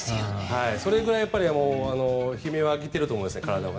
それぐらい悲鳴を上げていると思います、体は。